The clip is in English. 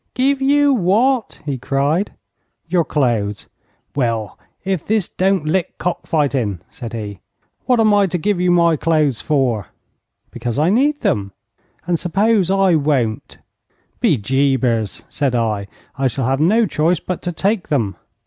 'Give you what?' he cried. 'Your clothes.' 'Well, if this don't lick cock fighting!' said he. 'What am I to give you my clothes for?' 'Because I need them.' 'And suppose I won't?' 'Be jabers,' said I, 'I shall have no choice but to take them.'